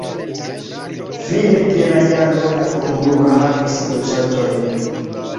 Fine de la jaro la komunumo havis loĝantojn.